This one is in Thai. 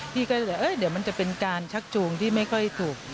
พี่ก็เลยเดี๋ยวมันจะเป็นการชักจูงที่ไม่ค่อยถูก